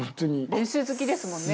練習好きですもんね